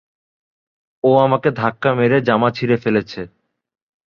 ও আমাকে ধাক্কা মেরে জামা ছিঁড়ে ফেলেছে!